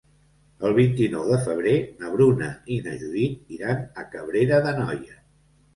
El vint-i-nou de febrer na Bruna i na Judit iran a Cabrera d'Anoia.